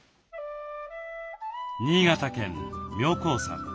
新潟県妙高山。